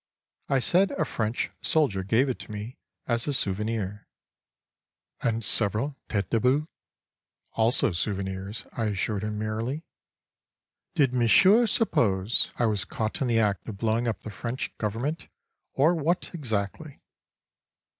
—I said a French soldier gave it to me as a souvenir.—And several têtes d'obus?—also souvenirs, I assured him merrily. Did Monsieur suppose I was caught in the act of blowing up the French Government, or what exactly?